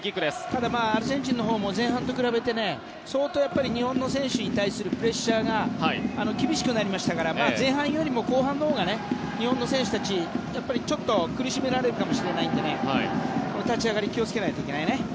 ただアルゼンチンのほうも前半と比べて相当、日本の選手に対するプレッシャーが厳しくなりましたから前半よりも後半のほうが日本の選手たちちょっと苦しめられるかもしれないので立ち上がり気をつけないといけないね。